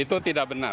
itu tidak benar